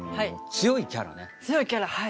強いキャラはい。